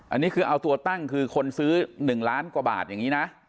อันนี้คือเอาตัวตั้งคือคนซื้อ๑ล้านกว่าบาทอย่างนี้นะ